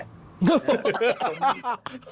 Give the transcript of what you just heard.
ตั้งตรงนั้นก็